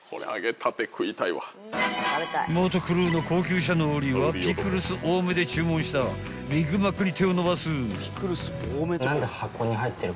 ［元クルーの高級車乗りはピクルス多めで注文したビッグマックに手を伸ばす］